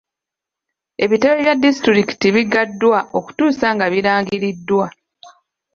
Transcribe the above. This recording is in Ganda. Ebitebe bya disitulikiti biggaddwa okutuusa nga birangiriddwa.